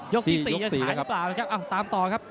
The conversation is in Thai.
ยกที่สี่จะฉายหรือเปล่านะครับ